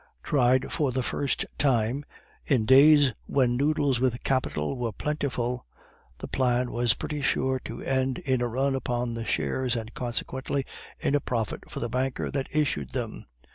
Tried for the first time, in days when noodles with capital were plentiful, the plan was pretty sure to end in a run upon the shares, and consequently in a profit for the banker that issued them.